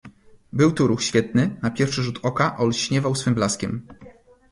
"Był to ruch świetny, na pierwszy rzut oka olśniewał swym blaskiem."